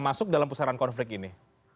masuk dalam pusaran konflik ini